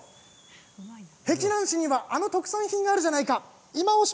碧南市には、あの特産品があるじゃないか、いまオシ！